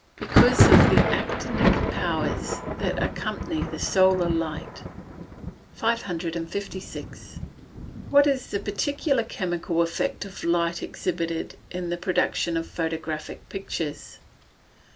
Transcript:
_ Because of the actinic powers that accompany the solar light. 556. _What is the particular chemical effect of light exhibited in the production of photographic pictures?